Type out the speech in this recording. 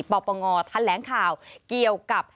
บอกประงอทันแหลงข่าวเกี่ยวกับ